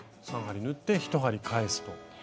３針縫って１針返すと。